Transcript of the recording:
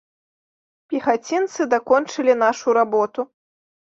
Пехацінцы дакончылі нашу работу.